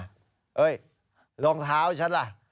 เฮ้ยรองเท้าฉันล่ะ